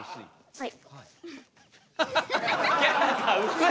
はい。